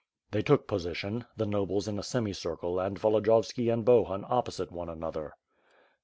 They took position; the nobles in a semicircle and Volodi yovski and Bohun opposite one another.